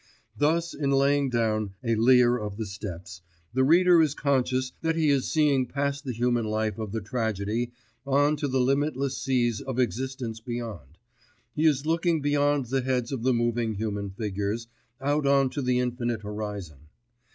Thus in laying down A Lear of the Steppes the reader is conscious that he is seeing past the human life of the tragedy on to the limitless seas of existence beyond, he is looking beyond the heads of the moving human figures out on to the infinite horizon.